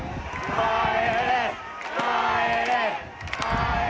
帰れ！